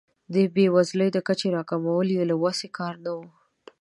د بیوزلۍ د کچې راکمول یې له وس کار نه و.